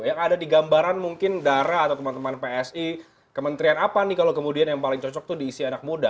yang ada di gambaran mungkin dara atau teman teman psi kementerian apa nih kalau kemudian yang paling cocok itu diisi anak muda